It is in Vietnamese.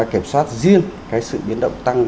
kiểm soát riêng cái sự biến động tăng